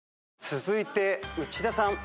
続いて内田さん。